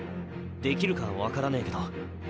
できるかは分からねえけど。